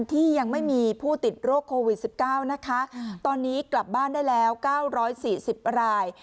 ที่ยังไม่มีผู้ติดโรคโควิด๑๙นะคะตอนนี้กลับบ้านได้แล้ว๙๔๐ราย